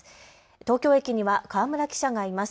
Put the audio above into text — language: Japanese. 東京駅には川村記者がいます。